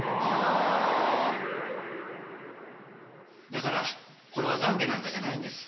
だからこれは懺悔なんかじゃないんです。